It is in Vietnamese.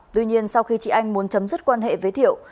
tuy nhiên sau khi chị anh muốn chấm dứt quan hệ với thiệu